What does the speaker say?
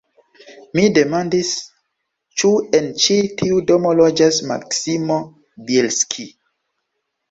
Mi demandis, ĉu en ĉi tiu domo loĝas Maksimo Bjelski.